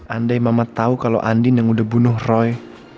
andai mama tahu kalau andin yang udah bunuh roy